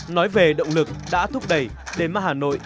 nói về động lực đã thúc đẩy để mà hà nội